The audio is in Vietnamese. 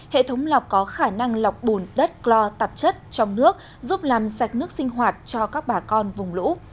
hệ thống lọc có khả năng lọc bùn đất clor tạp chất trong nước giúp làm sạch nước sinh hoạt cho các bà con vùng lũ